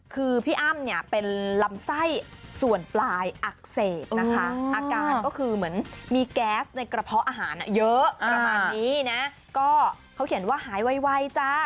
คือพี่อ้ำเนี่ยเป็นลำไส้ส่วนปลายอักเสบนะคะอาการก็คือเหมือนมีแก๊สในกระเพาะอาหารเยอะประมาณนี้นะก็เขาเขียนว่าหายไวจ้า